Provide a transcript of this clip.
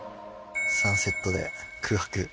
サンセットで空白。